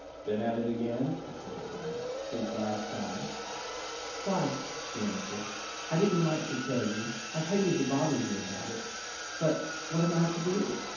"Been at it again?" he said at last. "Since last time?" "Twice," she answered. "I didn't like to tell you I've hated to bother you about it. But what am I to do?